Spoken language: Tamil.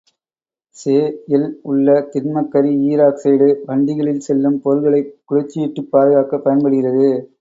செ.இல் உள்ள திண்மக் கரி ஈராக்சைடு, வண்டிகளில் செல்லும் பொருள்களைக் குளிர்ச்சியூட்டிப் பாதுகாக்கப் பயன்படுகிறது.